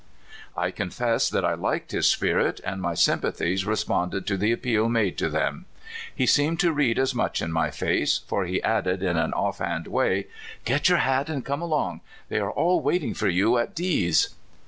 I confess that I liked his spirit, and my sympa thies responded to the appeal made to them. He seemed to read as much in my face, for he added in an offhand way: " Get your hat and come along. They are all waiting for you at D 's."